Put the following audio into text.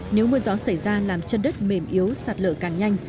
nếu mưa gió xảy ra làm chân đất mềm yếu sạt lở càng nhanh